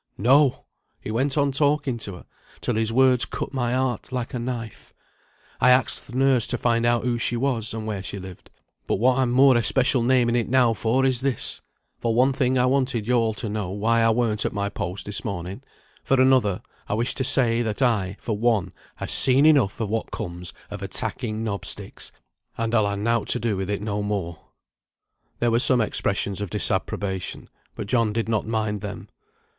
"No! he went on talking to her, till his words cut my heart like a knife. I axed th' nurse to find out who she was, and where she lived. But what I'm more especial naming it now for is this, for one thing I wanted yo all to know why I weren't at my post this morning; for another, I wish to say, that I, for one, ha' seen enough of what comes of attacking knob sticks, and I'll ha nought to do with it no more." There were some expressions of disapprobation, but John did not mind them.